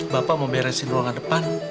bapak mau beresin ruangan depan